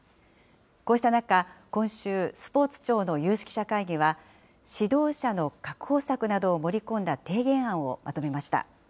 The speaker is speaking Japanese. こうした中、今週、スポーツ庁の有識者会議は、指導者の確保策などを盛り込んだ提言案をまとめました。